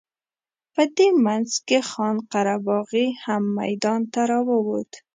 په دې منځ کې خان قره باغي هم میدان ته راووت.